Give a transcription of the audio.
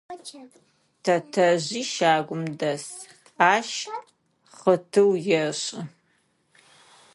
Тэтэжъи щагум дэс, ащ хъытыу ешӏы.